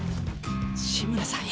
☎志村さん